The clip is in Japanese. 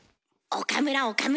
岡村岡村。